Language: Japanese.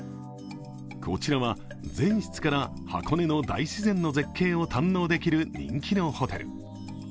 こちらは全室から箱根の大自然の絶景を堪能できる人気のホテル。